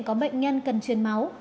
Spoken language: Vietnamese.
có bệnh nhân cần truyền máu